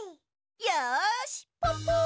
よしポッポ！